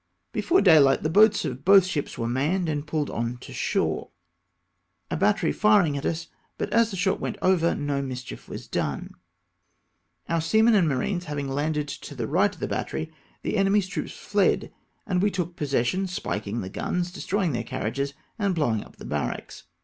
Before daylight the boats of both ships were manned, and pulled on shore, a battery fnhig at us, but as the shot went over, no mischief was done. Our seamen and marines having landed to the right of the battery, the enemy's troops fled, and we took possession, spik ing the guns, destrojdng their carriages, and blowing up the barracks.